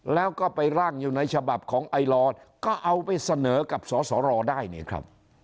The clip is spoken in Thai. แล้วก็ไปร่างอยู่ในฉบับของไอลอร์ก็เอาไปเสนอกับสสรได้นี่ครับ